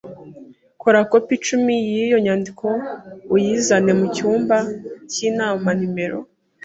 Kora kopi icumi yiyo nyandiko uyizane mucyumba cyinama nimero